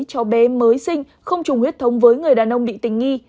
cho bé mới sinh không trùng huyết thống với người đàn ông bị tình nghi